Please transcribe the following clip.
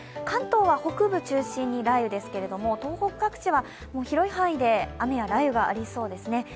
関東は北部中心に雷雨ですけれども、東北各地は広い範囲で雨や雷雨がありそうですね。